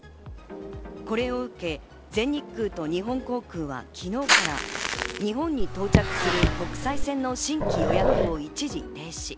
これを受け、全日空と日本航空は昨日から日本に到着する国際線の新規予約を一時停止。